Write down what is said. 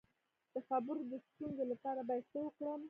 د خبرو د ستونزې لپاره باید څه وکړم؟